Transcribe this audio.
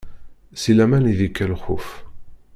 Si laman i d-ikka lxuf.